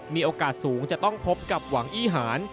มีโอกาสสูงจะต้องพบกับหวังอีหาร